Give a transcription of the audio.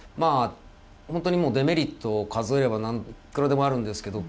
本当にデメリットを数えればいくらでもあるんですけど